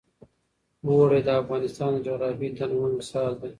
اوړي د افغانستان د جغرافیوي تنوع مثال دی.